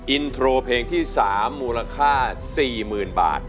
อินโทรเพลงที่๓มูลค่า๔๐๐๐บาท